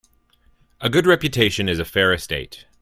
A good reputation is a fair estate.